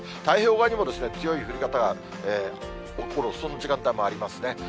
太平洋側にも強い降り方が起こる時間帯もありますね。